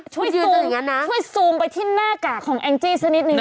ช่วยซูมไปที่หน้ากากของแอคจี้ซักนิดนึง